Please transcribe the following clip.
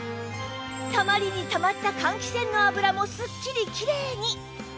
たまりにたまった換気扇の油もスッキリきれいに！